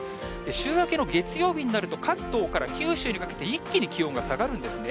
週明けの月曜日になると、関東から九州にかけて一気に気温が下がるんですね。